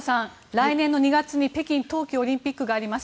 来年の２月に北京冬季オリンピックがあります。